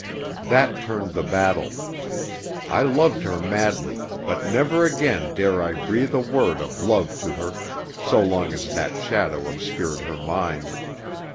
That turned the battle. I loved her madly, but never again dare I breathe a word of love to her so long as that shadow obscured her mind.